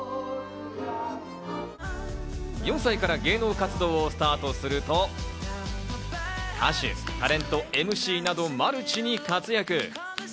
４歳から芸能活動をスタートすると、歌手、タレント、ＭＣなどマルチに活躍。